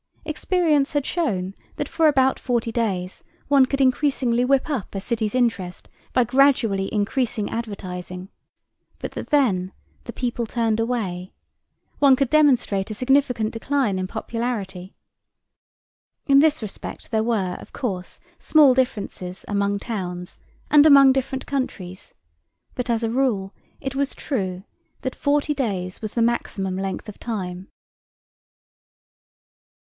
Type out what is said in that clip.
Experience had shown that for about forty days one could increasingly whip up a city's interest by gradually increasing advertising, but that then the people turned away—one could demonstrate a significant decline in popularity. In this respect, there were, of course, small differences among different towns and among different countries, but as a rule it was true that forty days was the maximum length of time.